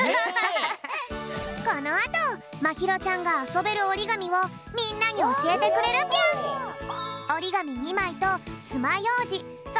このあとまひろちゃんがあそべるおりがみをみんなにおしえてくれるぴょん！をつかうよ。